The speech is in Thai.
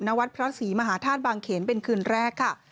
วัดพระศรีมหาธาตุบางเขนเป็นคืนแรกค่ะ